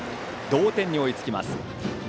同点に追いつきます。